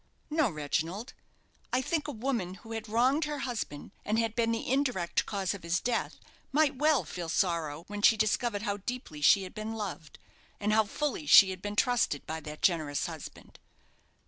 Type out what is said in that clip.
"No, Reginald. I think a woman who had wronged her husband, and had been the indirect cause of his death, might well feel sorrow when she discovered how deeply she had been loved, and how fully she had been trusted by that generous husband."